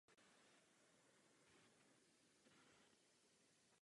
Na trase silnice se nachází celkem šest obcí.